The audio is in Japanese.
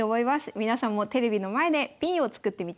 皆さんもテレビの前でＰを作ってみてください。